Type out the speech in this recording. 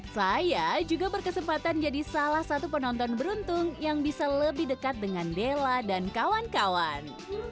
saya juga berkesempatan jadi salah satu penonton beruntung yang bisa lebih dekat dengan della dan kawan kawan